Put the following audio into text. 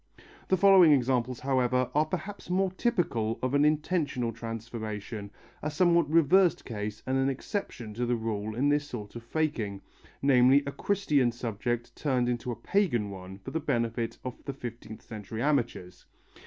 The following examples, however, are perhaps more typical of an intentional transformation, a somewhat reversed case and an exception to the rule in this sort of faking, namely a Christian subject turned into a pagan one for the benefit of the fifteenth century amateurs.